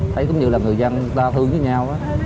thấy cũng như là người dân đa thương với nhau